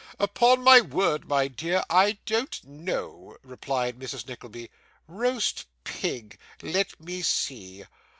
'Upon my word, my dear, I don't know,' replied Mrs. Nickleby. 'Roast pig; let me see.